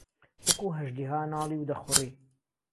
وهکوو ههژدیها ناڵی ودهخوڕی